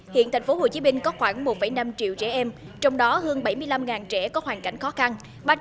hiện tp hcm có khoảng một năm triệu trẻ em trong đó hơn bảy mươi năm trẻ có hoàn cảnh khó khăn